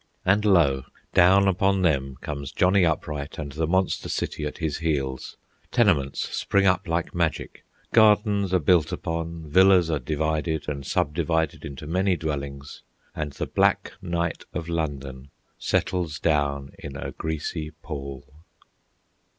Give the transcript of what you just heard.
And lo! down upon them comes Johnny Upright and the monster city at his heels. Tenements spring up like magic, gardens are built upon, villas are divided and subdivided into many dwellings, and the black night of London settles down in a greasy pall.